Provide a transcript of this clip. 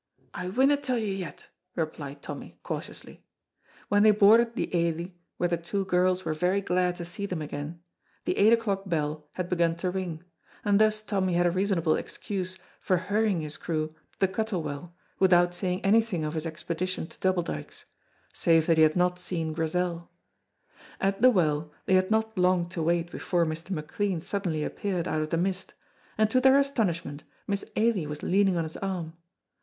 "I winna tell you yet," replied Tommy, cautiously. When they boarded the Ailie, where the two girls were very glad to see them again, the eight o'clock bell had begun to ring, and thus Tommy had a reasonable excuse for hurrying his crew to the Cuttle Well without saying anything of his expedition to Double Dykes, save that he had not seen Grizel. At the Well they had not long to wait before Mr. McLean suddenly appeared out of the mist, and to their astonishment Miss Ailie was leaning on his arm.